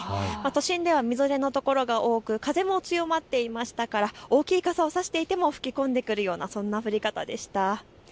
都心ではみぞれの所が多く風も強まっていましたから大きい傘を差していても吹き込んでくるようなそんな降り方でした。